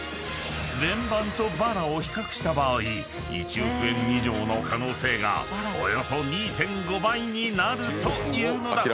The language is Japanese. ［連番とバラを比較した場合１億円以上の可能性がおよそ２．５倍になるというのだ］